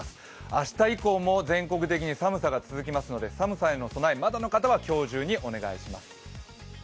明日以降も全国的に寒さが続きますので、寒さへの備え、まだの方は今日中にお願いします。